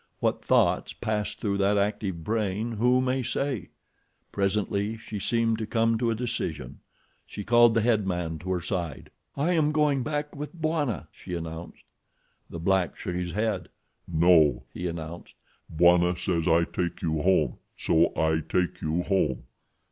What thoughts passed through that active brain who may say? Presently she seemed to come to a decision. She called the headman to her side. "I am going back with Bwana," she announced. The black shook his head. "No!" he announced. "Bwana says I take you home. So I take you home."